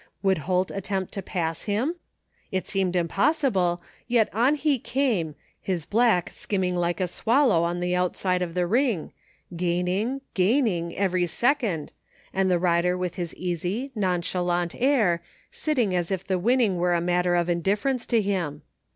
Would Holt attempt to pass him? It seemed impossible, yet on he came, his black skimming like a swallow on the outside of the ring, gaining, gaining, every second, and the rider with his easy, nonchalant air, sitting as if the winning were a matter of indifference to himi.